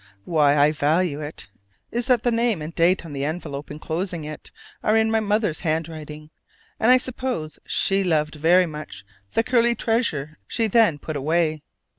Why I value it is that the name and date on the envelope inclosing it are in my mother's handwriting: and I suppose she loved very much the curly treasure she then put away.